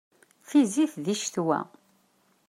Tizzit di ccetwa!